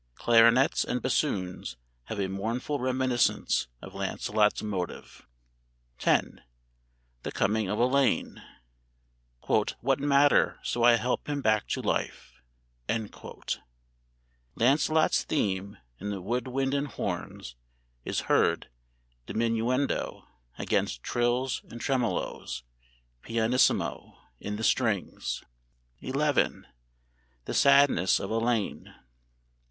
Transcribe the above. Clarinets and bassoons have a mournful reminiscence of Lancelot's motive.] X. "THE COMING OF ELAINE." ("What matter, so I help him back to life?") [Lancelot's theme, in the wood wind and horns, is heard, diminuendo, against trills and tremolos, pianissimo, in the strings.] XI. "THE SADNESS OF ELAINE."